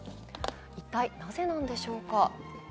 一体なぜなんでしょうか。